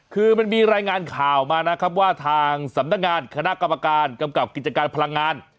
คือมันมีรายงานข่าวมานะครับว่าทางสำนักงานคณะกรรมการกำกับกิจการพลังงาน